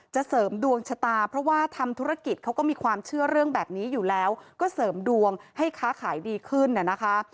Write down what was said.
เสริมดวงชะตาเพราะว่าทำธุรกิจเขาก็มีความเชื่อเรื่องแบบนี้อยู่แล้วก็เสริมดวงให้ค้าขายดีขึ้นนะคะ